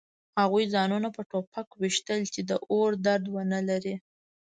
هغوی ځانونه په ټوپک ویشتل چې د اور درد ونلري